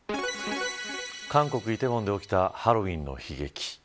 韓国、梨泰院で起きたハロウィーンの悲劇。